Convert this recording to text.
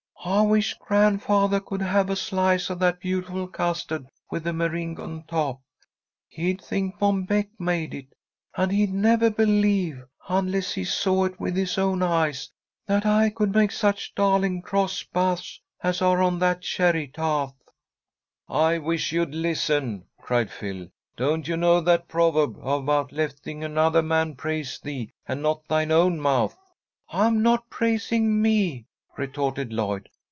I wish grandfathah could have a slice of that beautiful custa'd with the meringue on top. He'd think Mom Beck made it, and he'd nevah believe, unless he saw it with his own eyes, that I could make such darling cross bahs as are on that cherry taht." "I wish you'd listen!" cried Phil. "Don't you know that proverb about letting another man praise thee, and not thine own mouth?" "I'm not praising me," retorted Lloyd.